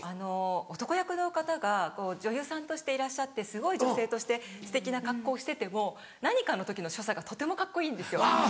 男役の方が女優さんとしていらっしゃってすごい女性としてすてきな格好をしてても何かの時の所作がとてもカッコいいんですよ。